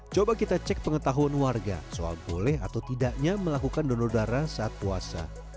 coba kita cek pengetahuan warga soal boleh atau tidaknya melakukan donor darah saat puasa